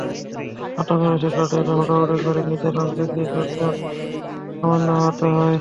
আতঙ্কিত শিক্ষার্থীরা হুড়োহুড়ি করে নিচে নামতে গিয়ে কয়েকজন সামান্য আহত হয়।